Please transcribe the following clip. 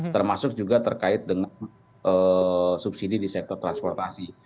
termasuk juga terkait dengan subsidi di sektor transportasi